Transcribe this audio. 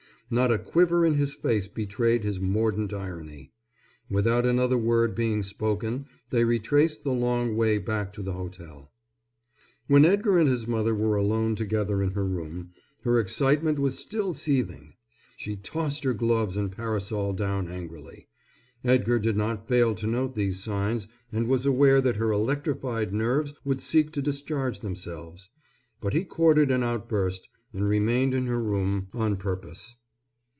Not a quiver in his face betrayed his mordant irony. Without another word being spoken they retraced the long way back to the hotel. When Edgar and his mother were alone together in her room, her excitement was still seething. She tossed her gloves and parasol down angrily. Edgar did not fail to note these signs and was aware that her electrified nerves would seek to discharge themselves, but he courted an outburst and remained in her room on purpose.